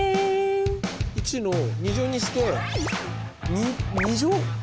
１の２乗にして２乗？